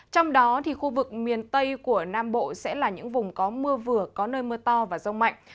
trong đó khu vực miền tây của nam bộ sẽ là những vùng có mưa vừa có nơi mưa to và rông mạnh